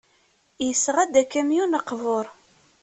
Yesɣa-d akamyun aqbur.